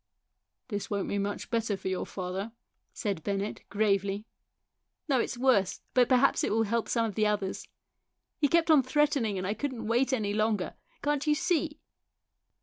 " This won't be much better for your father," said Bennett gravely. " No, it's worse ; but perhaps it will help some of the others. He kept on threatening and I couldn't wait any longer. Can't you see?"